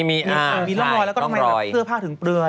มีร่องรอยแล้วก็ทำไมเสื้อผ้าถึงเปลือย